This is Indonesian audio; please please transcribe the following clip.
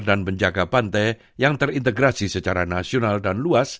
dan penjaga pantai yang terintegrasi secara nasional dan luas